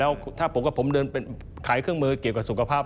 แล้วถ้าพวกผมเกี่ยวกับศุกภาพ